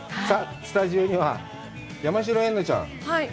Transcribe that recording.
さあスタジオには山代エンナちゃん。